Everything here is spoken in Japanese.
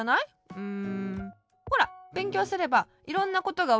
うん。